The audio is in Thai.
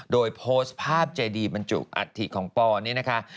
โดยโพสต์ภาพเจดีบรรจุอัฐิของปอนี่นะคะ